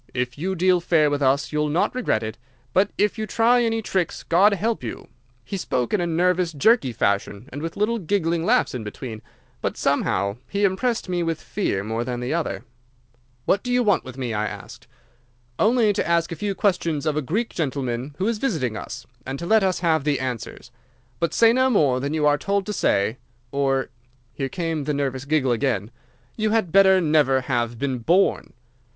If you deal fair with us you'll not regret it, but if you try any tricks, God help you!' He spoke in a nervous, jerky fashion, and with little giggling laughs in between, but somehow he impressed me with fear more than the other. "'What do you want with me?' I asked. "'Only to ask a few questions of a Greek gentleman who is visiting us, and to let us have the answers. But say no more than you are told to say, or'—here came the nervous giggle again—'you had better never have been born.